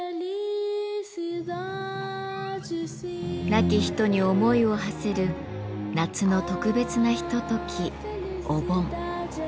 亡き人に思いをはせる夏の特別なひとときお盆。